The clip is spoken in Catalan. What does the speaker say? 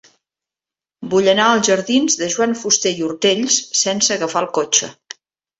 Vull anar als jardins de Joan Fuster i Ortells sense agafar el cotxe.